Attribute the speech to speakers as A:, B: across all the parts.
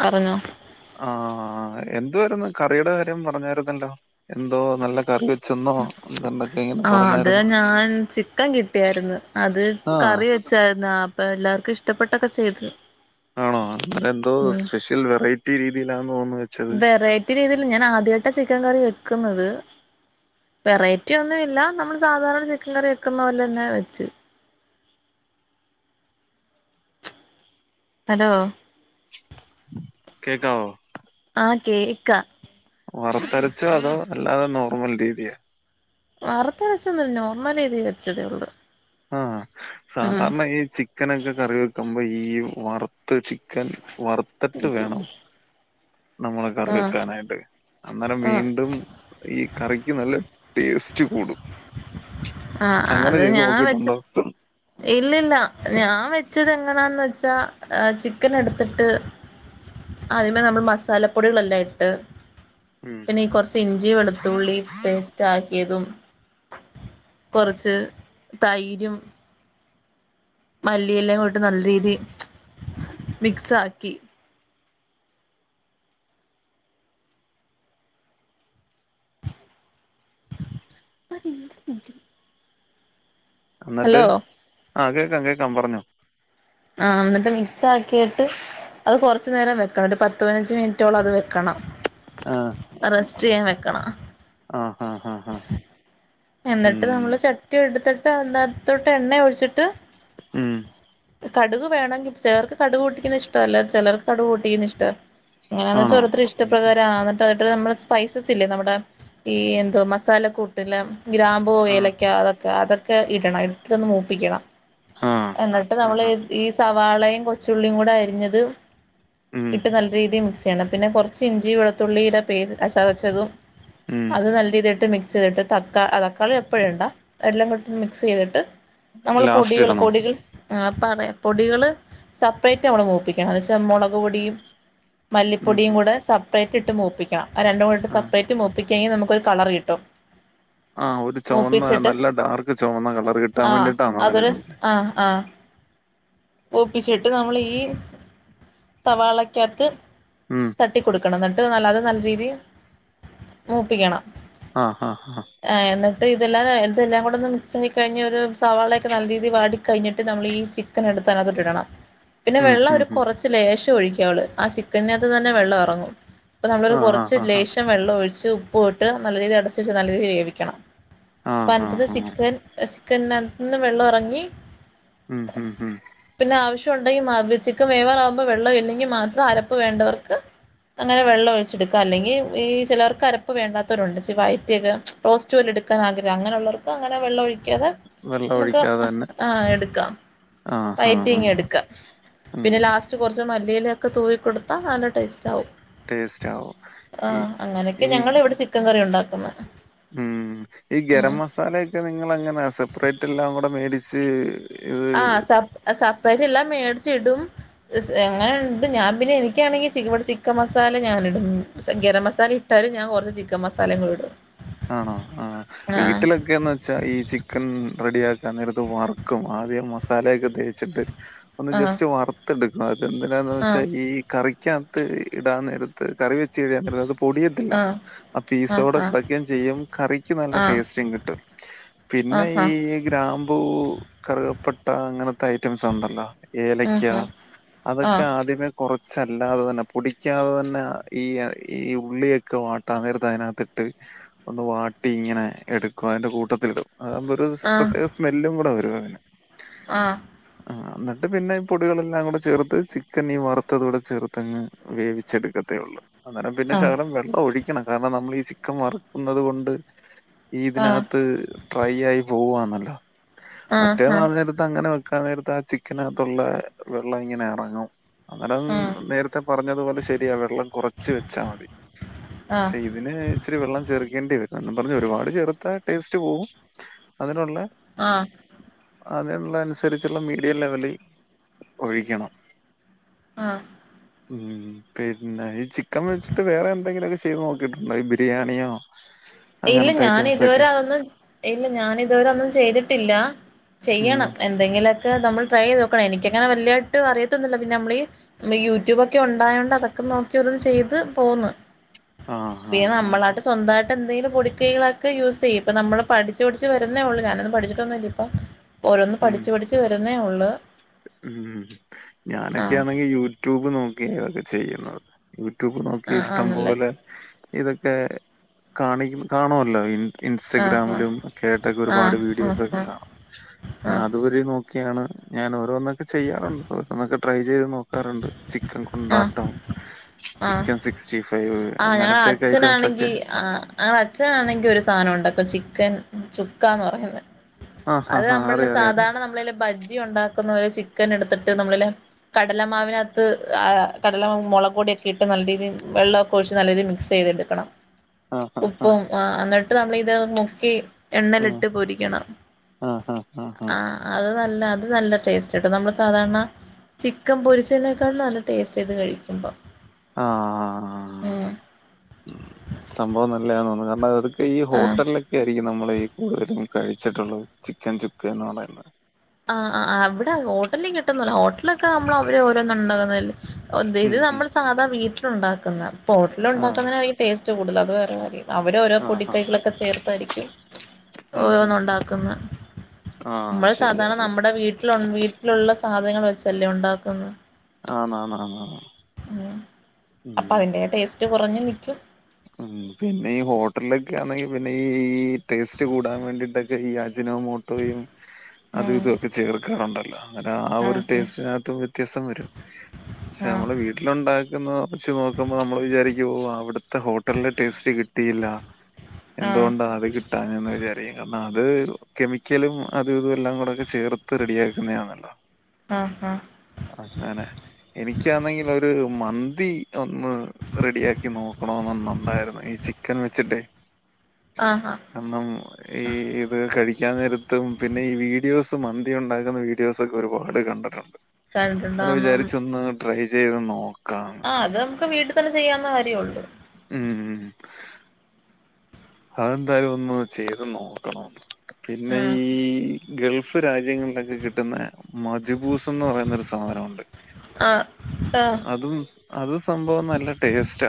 A: പറഞ്ഞോ
B: ആഹ എന്തുവാർന്നു കറിടെ കാര്യം പറഞ്ഞരുന്നല്ലോ എന്തോ നല്ല കറി വെച്ചെന്നോ [unintelligible]
A: ആ ഹ്അത് ഞാൻ ചിക്കൻ കിട്ടിയായിരുന്ന് അത്
B: ആഹ്
A: കറി വെ ച്ചാർന്ന അപ്പ എല്ലാവർക്കും ഇഷ്
B: ആണോ അപ്പ എന്തോ
A: ഉം
B: സ്പെഷ്യൽ വെറൈറ്റി രീതിയില തോന്ന്
A: വെറൈറ്റി രീതിൽ ഞാൻ ആദ്യായിട്ട ചിക്കൻ കറി വെക്കുന്നത് വെറൈറ്റി ഒന്നുഇല്ല നമ്മൾ സാധാരണ ചിക്കൻ കറി വെക്കുന്ന പോലെ തന്നെ വെച്ച് ഹലോ
B: കേക്കാവോ
A: ആഹ് കേക്കാം
B: വറത്തരച്ചോ അതോ അല്ലാതെ നോർമൽ രീതിയാ
A: വറുത്തെരച്ചൊന്നില്ല നോർമൽ രീതിയിൽ വച്ചതേ ഉള്ളൂ
B: ആഹ്
A: ഉം
B: സാധാരണ ഈ ചിക്കനൊക്കെ കറി വെക്കുമ്പോ ഈ വറുത്ത് ചി ചിക്കൻ വറുത്തട്ട് വേണം നമ്മളെ
A: ഉം
B: കറിവെക്കാനായിട്ട് അന്നേരം
A: ഉം
B: വീണ്ടും ഈ കറിക്ക് നല്ല ടേസ്റ്റ് കൂടും അങ്ങനെ
A: ആഹ്അത്
B: ചെയ്ത്
A: ഞാൻ വെച്ച
B: നോക്കിയിട്ടുണ്ടോ
A: ഇല്ലില്ല ഞാൻ വെച്ചത് എങ്ങനാന്ന് വെച്ചാ ചിക്കൻ എടുത്തിട്ട് ആതിമെനമ്മൾ മസാലപ്പൊടികളെല്ലാം ഇട്ട്
B: ഉം
A: പിന്നെ ഈ കൊർച്ച് ഇഞ്ചി വെളുത്തുള്ളി പേസ്റ്റ് ആക്കിയതും കൊറച്ച് തൈരും മല്ലിയെലേം ഇട്ട് നല്ല രീതി മിക്സ് ആക്കി പ്പതീരും ഒരു മിൻറ്റും
B: അന്നിട്ട് ആഹ് കേക്കാം കേക്കാം പറഞ്ഞോ
A: ആഹ് അന്നിട്ട് മിക്സ് ആക്കിയട്ട് അത് കുറച്ച്നേരം വെക്കണം ഒരു പത്ത് പതിനഞ്ച് മിനിറ്റോളം അത് വെക്കണം.
B: ആഹ്
A: റസ്റ്റ്‌ ചെയ്യാൻ വെക്കണം.
B: ആഹ് ഹ ഹ ഹ
A: എന്നിട്ട് നമ്മള് ചട്ടി എടുത്തിട്ട് അതിനാതോട്ട് എണ്ണ ഒഴിച്ചിട്ട്
B: മം
A: കടുക് വേണെങ്കി ചിലർക്ക് കടുക് പൊട്ടിക്കിന്ന ഇഷ്ട്ടല്ല ചിലർക്ക് കടുക് പൊട്ടിക്കുന്നത് ഇഷ്ട്ട. എങ്ങനാനോയ്ച്ച
B: ആണോ
A: ഓരോര്ത്തർടെ ഇഷ് ഇഷ്ടപ്രകാരാ അന്നിട്ട് നമ്മൾ സ്പൈസസ് ഇല്ലേ നമ്മുടെ ഈ എന്തോ മസാലക്കൂട്ടെല്ലാം ഗ്രാമ്പു
B: ആ
A: ഏലയ്ക്ക അതൊക്കെ അതൊക്കെ ഇടണം ഇട്ടിട്ടൊന്ന് മൂപ്പിക്കണം
B: ആ
A: എന്നിട്ട് നമ്മള്
B: ആഹാ
A: ഈ സവാളയും കൊച്ചുളിംകൂടെ അരിഞ്ഞതും
B: ഉം
A: ഇട്ട് നല്ല രീതിയിൽ മിക്സ് ചെയ്യണം പിന്നെ കുർച്ച് ഇഞ്ചി വെളുത്തുള്ളിടെ പേസ്റ്റ് ചതച്ചതും
B: ഉം
A: അത് നല്ല രീതിയിലിട്ട് മിക്സ് ക്സ് ചെയ്തിട്ട് തക്കാളി അ തക്കാളി അപ്പ ഇടണ്ട എല്ലാം ഇട്ട് മിക്സ് ചെയ്തിട്ട് നമ്മൾ
B: ലാസ്റ്റ്
A: പൊടികൾ.
B: ഇടണോ
A: ആഹ് പറയാ പൊടികൾ സെപ്പറേറ്റ് നമ്മൾ മൂപ്പിക്കണം അനോയ്ച്ച മുളക്പൊടിയും.
B: ഉം ഉം
A: മല്ലിപ്പൊടിയുകൂടെ സപ്പറേറ്റ് ഇട്ട് മൂപ്പിക്കണം ആ രണ്ടും കൂടി ഇട്ട്
B: ആ
A: സെപ്പറേറ്റ് മൂപ്പിക്കുകയെങ്കിൽ നമുക്കൊരു കളർ കിട്ടും.
B: ആഹ് ഒര് ചൊവന്ന
A: മൂപ്പിച്ചിട്ട്
B: നല്ല ഡാർക്ക് ചൊവന്ന കളറ് കിട്ടാൻ വേണ്ടിട്ടാണോ അങ്ങനെ ചെയ്യുന്നെ
A: ആഹ് ആഹ് മൂപ്പിച്ചിട്ട് നമ്മള് ഈ സവാളക്ക്യാത്ത്
B: ഉം
A: തട്ടികൊട്ക്കണം എന്ന്ട്ട് നല്ലാ അത് നല്ലാ രീതി മൂപ്പിക്ക്യാണം
B: ആഹ് ആഹ് ആഹ്
A: ആഹ് എന്ന്ട്ട് ഇതെല്ലാം ഇതെല്ലാം കൂട് ഒന്ന് മിക്സ് ആയി കഴിഞ്ഞ് ഒര് സവാളയൊക്കെ നല്ലാ രീതി വാടി കഴിഞ്ഞിട്ട് നമ്മള് ഈ ചി ക്കൻ എട്ത്ത് അതിനാകത്ത് ഇടണം പിന്നെ
B: ഉം
A: വെള്ളം
B: ഉം
A: ഒര്
B: ഉം
A: കൊറ റച്ച് ലേശം ഒയിക്ക്യാവോള്ള് ആഹ് ചിക്കാത്ത് തന്നെ വെള്ളം എറങ്ങും അപ്പം നമ്മള്
B: ആ ആ
A: കൊറച്ച്
B: ആ ആ
A: ലേഷം വെള്ളം ഒഴിച്ച് ഉപ്പും ഇട്ട് നല്ല രീതി അടച്ച് വെച്ച് നല്ല രീതി വേവിക്കണം
B: ആ ആ
A: പന്തറ്
B: ആ
A: ചിക്കൻ ചിക്കൻ അനാത്ത്ന്ന് വെള്ളം എറങ്ങി
B: ഉം ഉം ഉം
A: പിന്നെ ആവിശ്യം ഒണ്ടെങ്കി മാ ചിക്കാൻ മേവറാ ആക്മ്പോ വെള്ള ഇല്ലെങ്കി മാത്രം അരപ്പ് വേണ്ടവർക്ക് അങ്ങനെ വെള്ളം ഒയിച്ചെടുക്ക അല്ലെങ്കി ഈ ചെലർക്ക് അരപ്പ് വേണ്ടാത്താവേരൊണ്ട് ഇച്ചിരി വയിറ്റിക്കേ റോസ്റ്റ് പോലേ എട്ക്കാ ആഗ്രഹാ അങ്ങനെയോള്ള വർക്ക് അങ്ങെനെ വെള്ളം ഒഴി ഒഴിക്കാതെ
B: വെള്ളം
A: നമ്മക്ക്
B: ഒഴിക്കാതെ തന്നെ
A: ആഹ് എടുക്കാം
B: ആ ആ ആ
A: വയറ്റിങ്ങ് എട്ക്കാം
B: ഉം
A: പിന്നെ ലാസ്റ്റ് കൊറച്ച് മല്ലിലൊക്കെ തുവി കൊട്ത്താ നല്ലാ ടേസ്റ്റാവും
B: ടേസ്റ്റ് ആവും ഈ
A: ആഹ് അങ്ങനെയൊക്കെ
B: ഈ
A: ഞങ്ങള് ഇവടെ ചിക്കൻ കറി ഒണ്ടാക്ക്ന്നേ
B: ഉം ഈ ഗരം മസാലൊക്കെ നിങ്ങള് എങ്ങനാ സെപ്പറേറ്റ് എല്ലാം കൂടെ മേടിച്ച് ഇത്
A: ആഹ് സപ്പ സപ്പേറ്റ് എല്ലാം മേടിച്ച് ഇടും സ് അങ്ങനെ ഒണ്ട് ഞാൻ പിന്നെ എനിക്ക്യാണെങ്കി ചി ഇവടെ ചിക്കൻ മസാല ഞാൻ ഇടും ഗരം മസാല ഇ ഇട്ടാലും ഞാൻ കൊറച്ച് ചിക്കൻ മസാലയും കൂടെ ഇടും
B: ആണോ ആഹ്
A: ആഹ്
B: വീട്ടിലൊക്കെന്ന് വെ ച്ചാ ഈ ചിക്കൻ റെഡിയാക്കാൻ നേരത്ത് വറക്കും ആദ്യം മസാലയൊക്കെ തേച്ച്ട്ട് ഒന്ന്
A: ആഹ്
B: ജെസ്റ്റ് വറ്ത്ത് എട്ക്കും ആദ്യം എതെന്തിനാന്ന് വെച്ചാ
A: ആഹ്
B: ഈ കറിക്ക്യാത്ത് ഇടാൻ നേര ത്ത് കറി വെച്ച് കഴിഞ്ഞാൽ അത് പൊടിയത്തില്ല.
A: ആഹ്
B: ആ പീസോടെ ക
A: ആഹ്
B: ഴിക്കേം ചെയ്യും കറിക്ക് നല്ല ടേസ്റ്റും കിട്ടും. പിന്നെ
A: ആഹ് ആഹ് ആഹ് ആഹ്
B: ഈ ഗ്രാമ്പൂ, കറ്കപ്പെട്ട അങ്ങന ത്തെ ഐറ്റംസ് ഒണ്ടല്ലോ
A: ഉം
B: ഏലക്ക്യ
A: ഉം
B: അതൊക്കെ
A: ആഹ്
B: ആദ്യമേ കൊറച്ചല്ലാതെ തന്നെ പൊടിക്ക്യാതെ തന്നെ ഈ ഈ ഉള്ളിയൊക്കെ വാട്ടാൻ നേരത്ത് അതിനാത്തിട്ട് ഒന്ന് വാട്ടി ഇങ്ങനെ എടുക്കും അയിന്റെ കൂട്ടത്തില് ഇടും അതാമ്പോ ഒര്
A: ആഹ് ആഹ്
B: പ്രത്യേക സ്മെല്ലും കൂടെ വരും അതിന് ആഹ് എന്നിട്ട് പിന്നെ ഈ പൊടികളെല്ലാം കൂടെ ചേർത്ത് ചിക്കൻ ഈ വറ്ത്തതും കൂടെ ചേർത്തങ്ങ് വേവിച്ചെട്ക്ക ത്തെ ഒള്ള്. അന്നേരം പിന്നെ ശകലം വെള്ളം ഒഴിക്കണം. കാരണം നമ്മള് ഈ ചിക്കൻ വറക്ക്ന്നത്കൊണ്ട് ഈ ഇതിനാകത്ത് ഡ്രൈ ആയി പോവാന്നല്ലോ
A: ആഹ് ആഹ് ആഹ്
B: മറ്റേന്ന്
A: ആഹ്
B: പറഞ്ഞാ ത്തങ്ങനെ വെക്കാൻ നേരത്ത് ആ ചിക്കനകത്തൊള്ളെ വെള്ളം ഇങ്ങനെ എറങ്ങും അന്നേരം നേരത്തെ പറഞ്ഞത് പോലെ ശെരിയാ വെള്ളം കൊറച്ച് വെച്ചാ മതി. [unintelligible]
A: ആഹ്
B: ഇതിന് ഇച്ചിരി വെള്ളം ചേർക്കേണ്ടി വെരും. എന്നും പറഞ്ഞ് ഒരുപാട് ചേർത്താ ടേസ്റ്റ് പോകും. അതിനൊള്ള
A: ആഹ്
B: അതിനൊള്ള അനുസരിചൊള്ള മീഡിയം ലെവല് ഒഴിക്കണം.
A: ആഹ്
B: ഉം പിന്നെ ഈ ചിക്കൻ വെച്ച്ട്ട് വേറെ എന്തെങ്കിലൊക്കെ ചെയ്ത് നോക്കിട്ടുണ്ടോ ഈ ബി രിയാണിയോ
A: ഇല്ല ഞാനിതുവരെ അതൊന്നും ഇല്ല ഞാനിതുവരെ ഒന്നും ചെയ്തിട്ടില്ലാ.
B: ഉം.
A: ചെയ്യണം എ ന്തെങ്കിലൊക്കെ നമ്മള് ട്രൈ ചെയ്ത് നോക്കണം. എനിക്ക് അങ്ങനെ വല്ല്യായ്ട്ട് അറിയത്തൊന്നുല്ലാ പിന്നെ നമ്മള് ഈ യൂട്യൂബാക്കെ ഒണ്ടായോണ്ട് അതൊക്കെ നോക്കി ഒരോന്ന് ചെയ്ത് പോന്ന്.
B: ആഹ്
A: പിന്നെ
B: ആഹ് ആഹ്.
A: നമ്മളായിട്ട് സ്വന്തായിട്ട് എന്തേലും പൊടിക്കൈകളൊക്കെ യൂസ് ചെയ്യും. ഇപ്പം നമ്മള് പഠിച്ച് പഠിച്ച് വര്ന്നേ ഒള്ളൂ. ഞാനൊന്നും പഠിച്ചിട്ടൊന്നും ഇല്ലാ ഇപ്പം ഓരോന്ന്
B: ഉം
A: പഠിച്ച് പഠിച്ച് വര്ന്നേ ഒള്ള്
B: ഉം
A: ആഹ്
B: ഞാനൊക്കെയാണെങ്കി യൂട്യൂബ് നോക്കിയ എന്തെങ്കിലൊക്കെ ചെയ്യുന്നത്. യൂട്യൂബ് നോക്കി
A: ആഹ്
B: ഇഷ്ടം
A: ആന്നല്ലേ
B: പോലെ ഇതൊക്കെ കാണി കാണുമല്ലോ ഈ
A: ആഹ്
B: ഇൻസ്റ്റഗ്രാമിലും കേട്ടൊക്കെ
A: ആഹ്
B: ഒരുപാട്
A: ആഹ്
B: വീഡിയോസൊക്കെ
A: ആഹ്
B: കാണും ഞാൻ
A: ആഹ്
B: അതുപരെ നോക്കിയാണ് ഞാൻ ഓരോന്നൊക്കെ ചെയ്യാറുണ്ട്. ഓരോന്നൊക്കെ ട്രൈ ചെയ്ത് നോക്കാറുണ്ട്. ചിക്കൻ
A: ആഹ്
B: കൊണ്ടാട്ടം
A: ആഹ്
B: ചിക്കൻ സിക്സ്റ്റി ഫൈവ് അങ്ങനത്തെക്കെ ഐറ്റംസൊക്കെ
A: ഞങ്ങടെ അച്ഛനാണെങ്കി ഒരു സാധനം ഉണ്ടാക്കും. ചിക്കൻ ചുക്കാന്ന് പറഞ്ഞത്.
B: ആ ഹാ
A: അത്
B: ഹാ
A: നമ്മള്ല്ലെ
B: അറിയാം അറിയാം അറിയാം
A: സാധാരണ നമ്മള്ല്ലെ ബജ്ജി ഉണ്ടാക്കുന്നലെ ചിക്കൻ എടുത്തിട്ട് നമ്മള്ല്ലെ കടലമാവിനാത്ത് കടലമാവ മുളകൊടിയൊക്കെ ഇട്ട് നല്ല രീതില് വെള്ളൊ കൊഴച്ച് നല്ല രീതീല് മിക്സെയ്തെടുക്കണം
B: ആഹ് ആഹ്
A: ഉപ്പും ആഹ് എന്നിട്ട് നമ്മളിത് മുക്കി എണ്ണലിട്ട് പൊരിക്കണം.
B: ആഹ് ആഹ് ആഹ്
A: ആഹ് അത് നല്ല അത് നല്ല ടേസ്റ്റ്ണ്ട്. നമ്മള് സാധാരണ ചിക്കൻ പൊരിച്ചതിനേക്കാളും നല്ല ടേസ്റ്റാ ഇത്‌ കഴിക്കുമ്പം.
B: ആ ആഹ് സംഭവം നല്ലയാന്ന് തോന്നുന്നു. കാരണം അത് ഈ
A: ആഹ്
B: ഹോട്ടലിലൊക്കെ ആയിരിക്കും നമ്മൾ ഈ കൂടുതലും കഴിച്ചിട്ടുള്ളത് ചിക്കൻ ചുക്കേ എന്ന് പറയുന്നത്
A: ആഹ് ആഹ് അവിടെ ഹോട്ടലേ കിട്ടുന്നില്ലോ ഹോട്ടലൊക്കെ നമ്മള് അവര് ഓരോന്ന് ഉണ്ടകുന്നലേ
B: ഉം
A: ഓന്തേഇത്
B: ഉം
A: നമ്മൾ സാധാ വീട്ടിലുണ്ടാക്കുന്ന ഹോട്ടിൽ
B: ആഹ്
A: ഉണ്ടാക്കുന്നതിനരിക്കും ടേസ്റ്റ് കൂടല് അത് വേറെ കാര്യം അവര ഓരോ
B: ആഹ് ആഹ്
A: പൊടിക്കൈകളൊക്കെ ചേർത്തായിരിക്കും
B: ഉം ഉം
A: ഓരോന്ന്
B: ഉം
A: ഉണ്ടാക്കുന്നെ
B: ആഹ്
A: നമ്മള്
B: ശരിയാ
A: സാധാരണ
B: ശരി
A: നമ്മുടെ വീട്ടില് ഒണ് വീട്ടിലുള്ള സാധനങ്ങങ്ങള് വെച്ചല്ലേ ഉണ്ടാക്കുന്നെ
B: അന്നന്നന്നാന്ന്
A: ഉം അപ്പൊ ആയിന്റെ ടേസ്റ്റ് കുറഞ്ഞു നിക്കും
B: ഉം പിന്നെ ഈ ഹോട്ടലിലൊക്കെ ആന്നെങ്കിൽ പിന്നെ ഈഈ ടേസ്റ്റ് കൂടാൻ വേണ്ടിയിട്ടൊ കെഈ അജ്നോ മോട്ടോയും അതും
A: ഉം
B: ഇതൊക്കെ ചേർക്കാറുണ്ടല്ലോ അതാ ആ ഒരു
A: ആഹ്
B: ടേസ്റ്റിനകത്തും വ്യത്യാസം വരും പക്ഷെ
A: ആഹ്
B: നമ്മളെ വീട് വീട്ടിലുണ്ടാകുന്ന വെച്ച് നോക്കുമ്പോൾ നമ്മൾ വിചാരിക്കും ഓഹ് അവിത്തെ ഹോ ട്ടല്ലേ ടേസ്റ്റ് കിട്ടിയില്ല
A: ആഹ്
B: എന്തുകൊണ്ടാ അത് കിട്ടന്ന് വിചാരിക്കും കാരണം അത് കെമിക്കലും അതും ഇതും എല്ലാം കൂടൊക്കെ ചേർത്ത് റെഡിയാക്കുന്ന ആന്ന്. ആഹ്
A: ആഹ് ആഹ്
B: അങ്ങനെ എനിക്കാന്നെങ്കിൽ ഒരു മന്തി ഒന്ന് റെഡിയ ആക്കി നോക്കണോന്നുന്നു ഉണ്ടായിരുന്നു ഈ ചിക്കൻ വെച്ചിട്ടേ
A: ആഹാ
B: കണം ഈ ഇത് കഴിക്കാൻ നേരത്തും പിന്നെ ഈ വീഡിയോസും മന്തി ഉണ്ടാക്കുന്ന വീ ഡിയൊസൊക്കെ ഒരുപാട് കണ്ടിട്ടുണ്ട് അങ്ങനെ
A: കണ്ടിട്ടുണ്ടോന്ന്
B: വിചാരിച്ച് ഒന്ന് ട്രൈ ചെയ്ത് നോക്കാം
A: ആഹ് അത് നമുക്ക് വീട്ടിൽ തന്നെ ചെയ്യാവുന്ന കാര്യ ഉള്ളൂ
B: ഉം ഉം അതെന്തായാലും ഒന്ന് ചെയ്ത് നോക്കണോന്ന പിന്നെ
A: ആഹ്
B: ഈ ഗൾഫ് രാജ്യങ്ങളിലൊക്കെ കിട്ടുന്ന മജ്ബൂസ്ന്ന് പറയുന്നൊരു സാനഉണ്ട്
A: ആഹ് ആഹ്
B: അതും അത് സംഭവം നല്ല ടേസ്റ്റ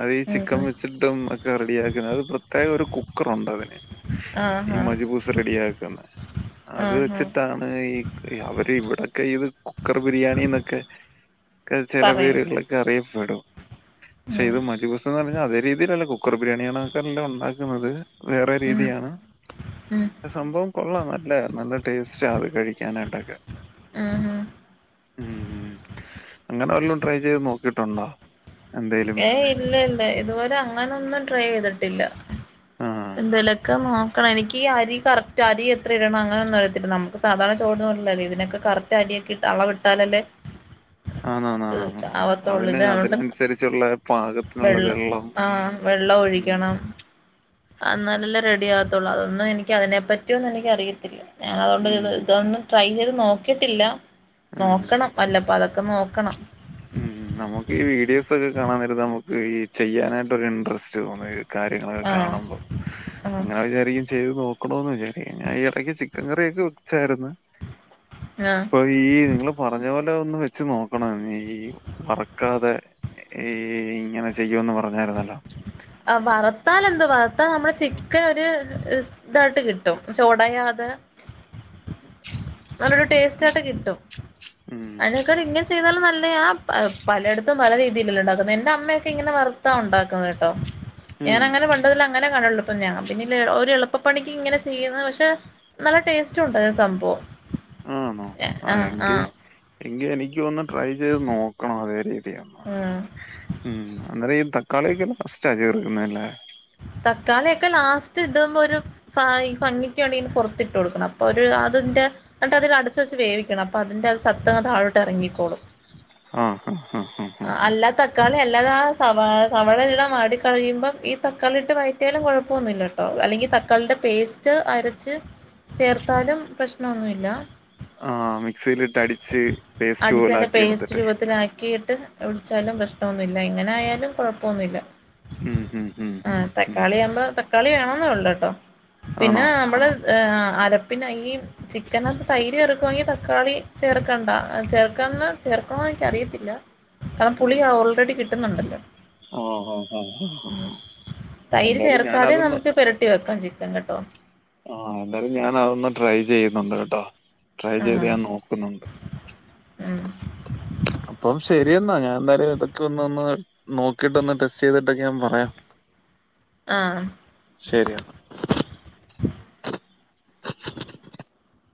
B: അതി ചിക്കൻ
A: ആഹ്
B: വെച്ചിട്ടും ഒക്കെ റെഡിയ ആക്കുന്നത് പ്രത്യേക കുക്കറുണ്ട് അതിന് ഈ
A: ആഹ്
B: മജുബു സ് റെഡി ആക്കുന്ന
A: ആഹ് ആഹ്
B: അതുവെച്ചിട്ടാണ് ആയി അവര് ഇവിടൊക്കെ ഇത് കുക്കർ ബിരിയാണിന്നൊക്കെ ക്കെ ചില
A: പറയൂ
B: പേരുകളിലോക്കെ അറിയപ്പെടും പക്ഷെ
A: ഉം
B: ഇത് മജി പുസ്തം എന്ന് പറഞ്ഞാൽ അതെ രീതിയിലല്ല കു കുക്കർ ബിരിയാണിന്നക്ക ആല്ലാ ഉണ്ടാക്കുന്നത് വേറെ
A: ഉം
B: രീതിയാണ്
A: ഉം
B: സംഭവം കൊള്ളാം നല്ല നല്ല ടേസ്റ്റാ അത് കഴിക്കാനായിട്ടൊക്കെ
A: ആഹ് ഹ
B: ഉം ഉം അങ്ങനെ വല്ലോം ട്രൈ ചെയ്ത് നോക്കിട്ടുണ്ടോ.
A: ഏയ് ഇല്ലില്ല ഇതുപോലെ അങ്ങനൊന്നും ട്രൈയ്യ്ചെയിതിടില്ല
B: ആഹ്
A: എന്തലൊക്കെ നോ ക്കണം എനിക്കീ അരി കറക്റ്റ് അരി എത്ര ഇടണം അങ്ങനൊന്നും അറിയത്തില്ല നമുക്ക് സാധാരണ ചോറുന്നപോലല്ലല്ലോ ഇതിനൊക്കെ കറ റ്റരിയൊക്കിട്ട് അളവ്ട്ടാലല്ലെ.
B: ആന്നന്നന്ന്
A: ആവത്തുള്ളൂ
B: അതിന്
A: ഇത് അതുകൊണ്ട്
B: അതിനസരിച്ചുള്ള പാക
A: വെള്ളം ആഹ് വെള്ളം ഒഴിക്കണം. അന്നാലെല്ലെ റെഡി ആകത്തുള്ളൂ അതൊന്നും എനിക്ക് അതിനെപ്പറ്റിഒന്നും എനിക്ക് അറിയത്തില്ല ഞാൻ അതോണ്ട്
B: ഉം
A: ഇത് ഇതൊന്നും. ട്രൈ ചെയ്ത് നോക്കിയിട്ടില്ല
B: ഉം
A: നോക്കണം വല്ലപ്പ അതൊക്കെ നോക്കണം.
B: ഉം നമുക്ക് ഈ വീഡിയോസ് ഒക്കെ കാണാൻ നേരത്ത് നമുക്ക് ഈ ചെയ്യാനായിട്ടൊക്കെ ഇൺ. ട്രസ്റ്റ് തോന്ന്ന്ന കാര്യങ്ങളൊക്കെ
A: ആഹ്
B: കാണുമ്പോ.
A: ആഹ്
B: അങ്ങനെ വിജാരിക്കും ചെയ്ത് നോക്കണോന്ന് വിജാരിക്കും ഞാ ഈ എടക്ക് ചിക്കൻ കറിയൊക്കെ വെച്ചായിരുന്നു [inaudible]
A: ആഹ്.
B: ഇപ്പൊ ഈ നിങ്ങള് പറഞ്ഞ പോലെ ഒന്ന് വെച്ച് നോക്കണം ഈ ഈ. ഈ വറക്കാതെ ഈ ഇങ്ങനെ ചെയ്യുന്ന് പറഞ്ഞായിരുന്നല്ലോ.
A: ആ വർത്താലെന്ത് വറർത്താൽ നമ്മളെ ചിക്കൻ ഒരു. ഇതായിട്ട് കിട്ടും ച് ഉടയാതെ. നല്ലൊരു ടേസ്റ്റായിട്ട് കിട്ടും.
B: ഉം ഉം
A: അയ്നെക്കാളും ഇങ്ങനെ ചെയ്താലും നല്ലയാ ആ പ പലയിടത്തും പല രീതിയിലെല്ലെ ഉണ്ടാക്കുന്നെ എന്റമ്മയൊക്കെ ഇങ്ങനെ വർ ട്ടാ ഉണ്ടാക്കുന്നത് ട്ടോ
B: ഉം
A: ഞാൻ അങ്ങനെ പണ്ടതിൽ അങ്ങനെ കാണൊള്ളു. ഇപ്പൊ ഞാ പിന്നെ ഒരു എളുപ്പപണിക്ക് ഇങ്ങനെ ചെയ്യുന്നു പക്ഷെ. നല്ല ടേസ്റ്റുണ്ട് അഹ് സംഭവം.
B: ആണോ ആ
A: ആഹ്
B: എങ്കി
A: ആഹ്
B: എങ്കി എനിക്കൊന്ന് ട്രൈ ചെയ്ത് നോക്കണം അതരെ.
A: ഉം
B: ഉം അന്നേരം ഈ തക്കാളിയൊക്കെ ലാസ്റ്റാ ചേർക്കുന്ന്ല്ലേ.
A: തക്കാളിയൊക്കെ ലാസ്റ്റ് ഇടുമ്പൊ ഒരു. ഫാ ഈ ഭംഗിക്ക് വേണ്ടിന് പൊർത്തിട്ട് കൊടുക്കണം അപ്പൊ ഒരു അത് ന്റെ. എന്നിട്ട് അതി അടച്ച് വെച്ച് വേവിക്കണം അപ്പ അന്റെ സത്ത്ങ്ങ് താഴോട്ട് എറങ്ങിക്കോളും.
B: ആഹ് ഹ് അഹ് ഹ്
A: ക്കാളി അല്ലാതെ സവാ സവാളെല്ലാം വാടിക്കഴിയുമ്പം ഈ ത ക്കാളിട്ട് വയറ്റിയാലും കൊഴപ്പൊന്നുല്ലട്ടോ അല്ലെങ്കി തക്കാളിൻറെ പേസ്റ്റ്. റ്റ് അരച്ച് ചേർത്താലും പ്രശ്നൊന്നുല്ല.
B: ആ, മിക്സിയിലിട്ട് അടിച്ച് പേസ്റ്റ് പോലെ
A: അട്ച്ചന്റെ
B: ആക്കി
A: പേസ്റ്റ്
B: എടുത്തിട്ട്
A: രൂപത്തിലാക്കിയിട്ട്. ഒടിച്ചാലും പ്രശ്നമൊന്നുല്ല ഇങ്ങനെ ആയാലും കുഴപ്പമൊന്നുഇല്ല.
B: ഉം ഉം ഉം.
A: ആ
B: ഉം ഉം
A: തക്കാളി ആവുമ്പോ തക്കാളി വേണ ന്നൊള്ളുട്ടോ
B: ആണോ
A: പിന്നെ നമ്മള്. ഏന് അർപ്പിനായി ഈ. ചിക്കനൊപ്പ തൈര് ചേർക്കുവാങ്കി തക്കാളി ചേർക്കണ്ട അ ചേർക്കാന്ന് ചേർക്കണോന്ന് എനിക്കറിയത്തില്ല. കാരണം പുളി ഓൾറെഡി കിട്ടുന്നുണ്ടല്ലോ.
B: ഓഹ് ഹ ഓഹ ഹ.
A: തൈര് ചേർക്കാതെ നമുക്ക് പെരട്ടി വെക്കാം ചിക്കൻ കെട്ടോ.
B: ആഹ് എന്തായാലും ഞാൻ അതൊന്ന് ട്രൈ ചെയ്യുന്നുണ്ട് കേട്ടോ. ട്രൈ
A: ആ
B: ചെയ്ത് ഞാൻ നോക്കുന്നുണ്ട്
A: ഉം
B: അപ്പം ശെരി. ശെരി എന്നാ ഞാൻ എന്തായാലും ഇതൊക്കെ ഒന്ന് ഒന്ന് നോക്കിയിട്ട് ഒന്ന് ടെസ്റ്റ് ചെയ്തിട്ടൊക്കെ ഞാൻ പറയാം.
A: ആഹ്.
B: ശെരി എന്നാ.